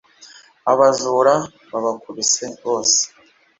Abajura baba kubise bose